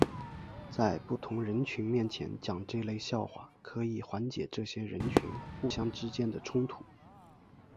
在不同人群面前讲这类笑话可以缓解这些人群互相之间的冲突。